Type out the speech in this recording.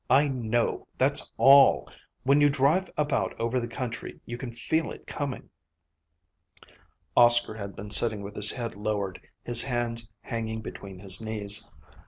I know, that's all. When you drive about over the country you can feel it coming." Oscar had been sitting with his head lowered, his hands hanging between his knees.